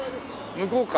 向こうか。